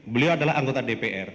beliau adalah anggota dpr